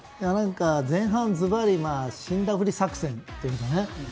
前半ズバリ死んだふり作戦というかね。